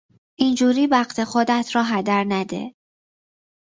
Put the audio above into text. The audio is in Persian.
این جوری وقت خودت را هدر نده!